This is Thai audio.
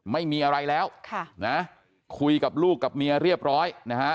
ไม่มีอะไรแล้วค่ะนะคุยกับลูกกับเมียเรียบร้อยนะฮะ